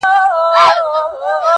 د همدې شپې هېرول يې رانه هېر کړل,